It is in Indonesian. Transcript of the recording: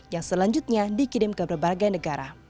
yang selanjutnya dikirim ke berbagai negara